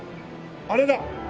あれだ！